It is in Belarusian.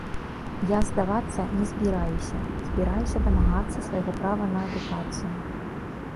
Я здавацца не збіраюся, збіраюся дамагацца свайго права на адукацыю.